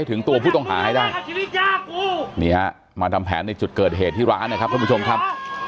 แบบถึงตัวผู้ต้องหาอีกได้มาทำแล่งจุดเกิดเหตุที่ร้านนะ